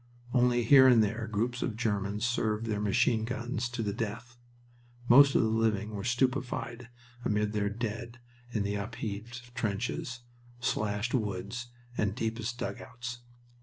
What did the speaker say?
Only here and there groups of Germans served their machine guns to the death. Most of the living were stupefied amid their dead in the upheaved trenches, slashed woods, and deepest dugouts.